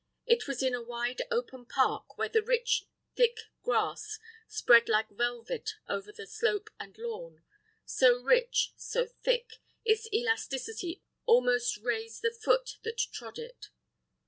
It was in a wide open park, where the rich thick grass spread like velvet over every slope and lawn; so rich, so thick, its elasticity almost raised the foot that trod it.